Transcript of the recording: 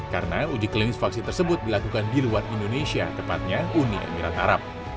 karena uji klinis vaksin tersebut dilakukan di luar indonesia tepatnya uni emirat arab